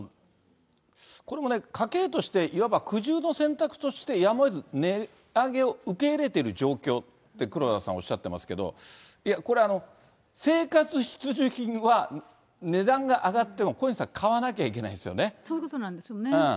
これもね、家計としていわば苦渋の選択としてやむをえず値上げを受け入れている状況って黒田さん、おっしゃっていますけれども、いや、これ、生活必需品は値段が上がっても、小西さん、そういうことなんですよね。